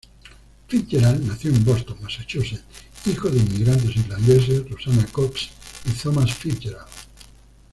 Fitzgerald nació en Boston, Massachusetts, hijo de inmigrantes irlandeses, Rosanna Cox y Thomas Fitzgerald.